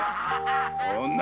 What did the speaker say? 女！